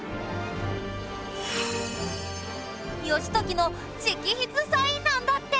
義時の直筆サインなんだって。